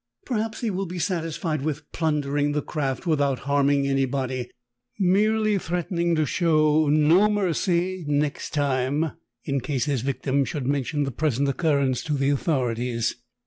Perhaps he will be satisfied with plundering the craft without harming any> body, merely threatening to show no mercy next time in case his victim should mention the present occurrence to the authorities.